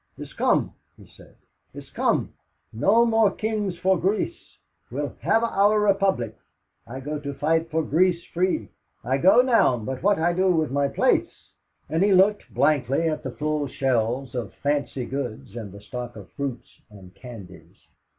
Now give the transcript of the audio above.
"It's come," he said. "It's come no more kings for Greece we'll have our Republic. I go to fight for Greece free. I go now, but what I do with my place?" and he looked blankly at the full shelves of "fancy goods" and the stock of fruits and candies.